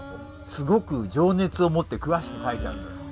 すごく情熱を持って詳しく書いてある。